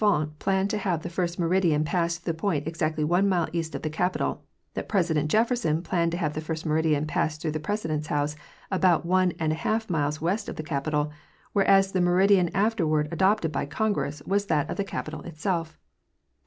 161 Thus I infer that L'Enfant planned to have the first meridian pass through a point exactly one mile east of the Capitol; that President Jefferson planned to have the first meridian pass through the President's house, about one and one half miles west of the Capitol, whereas the meridian afterward adopted by Congress was that of the Capitol itself.